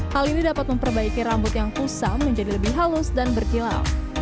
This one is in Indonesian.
hal ini dapat memperbaiki rambut yang kusam menjadi lebih halus dan berkilau